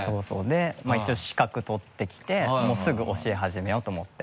で一応資格取ってきてもうすぐ教え始めようと思って。